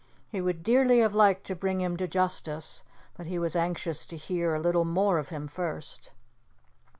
He would dearly have liked to bring him to justice, but he was anxious to hear a little more of him first.